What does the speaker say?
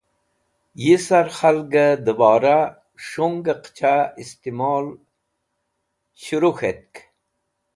Yi sar khalgẽ dẽbora s̃hungẽ qẽcha istimol s̃hẽru k̃hetk.